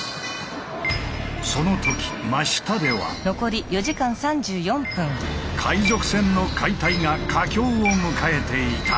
その時真下では海賊船の解体が佳境を迎えていた。